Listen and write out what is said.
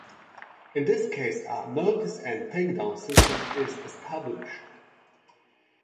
In this case, a notice-and-takedown system is established.